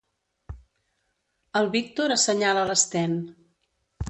El Víctor assenyala l'Sten.